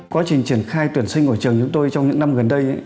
quá trình triển khai tuyển sinh của trường chúng tôi trong những năm gần đây